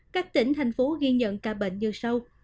các tỉnh thành phố ghi nhận ca bệnh như sau